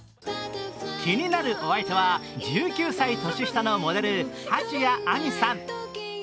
気になるお相手は１９歳年下のモデル、蜂谷晏海さん。